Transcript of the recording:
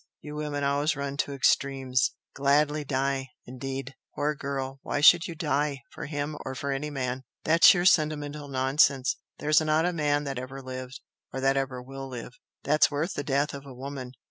You women always run to extremes! 'Gladly die' indeed! Poor girl, why should you 'die' for him or for any man! That's sheer sentimental nonsense! There's not a man that ever lived, or that ever will live, that's worth the death of a woman!